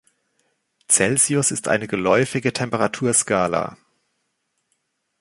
Celsius ist eine geläufige Temperaturskala.